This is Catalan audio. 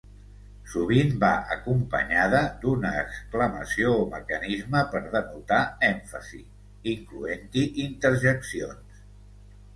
Sovint va acompanyada d'una exclamació o mecanisme per denotar èmfasi, incloent-hi interjeccions.